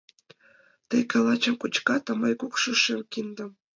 Тый калачым кочкат, а мый кукшо шем киндым.